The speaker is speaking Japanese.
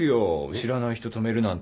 知らない人泊めるなんて。